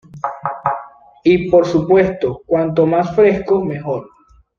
Y, por supuesto, cuanto más fresco, mejor.